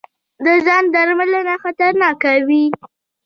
د ځاندرملنه خطرناکه وي.